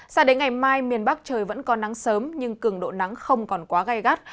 sao đến ngày mai miền bắc trời vẫn có nắng sớm nhưng cường độ nắng không còn quá gai gắt